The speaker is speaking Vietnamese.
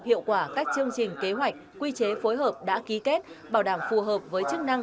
hiệu quả các chương trình kế hoạch quy chế phối hợp đã ký kết bảo đảm phù hợp với chức năng